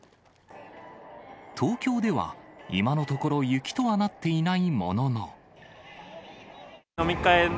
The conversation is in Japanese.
東京では、今のところ雪とはなっていないものの。